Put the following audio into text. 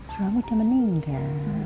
suami sudah meninggal